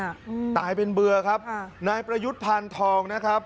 อืมตายเป็นเบื่อครับค่ะนายประยุทธ์พานทองนะครับ